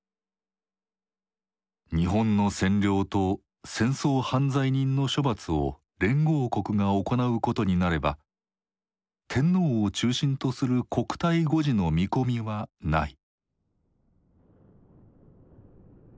日本の占領と戦争犯罪人の処罰を連合国が行うことになれば天皇を中心とする国体護持の見込みはない。